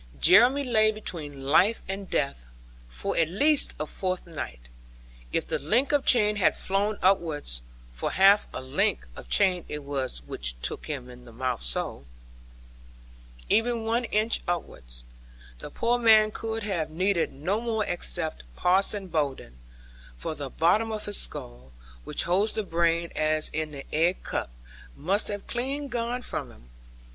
Jeremy lay between life and death, for at least a fortnight. If the link of chain had flown upwards (for half a link of chain it was which took him in the mouth so), even one inch upwards, the poor man could have needed no one except Parson Bowden; for the bottom of his skull, which holds the brain as in the egg cup, must have clean gone from him.